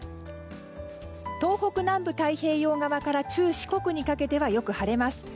東北南部、太平洋側から中四国にかけてはよく晴れます。